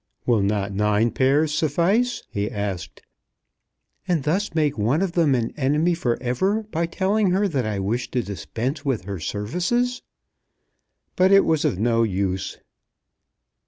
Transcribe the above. "Will not nine pairs suffice?" he asked. "And thus make one of them an enemy for ever by telling her that I wish to dispense with her services!" But it was of no use.